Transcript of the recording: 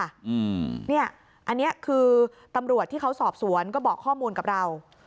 อันนี้คือตำรวจที่เขาสอบสวนก็บอกข้อมูลกับเรา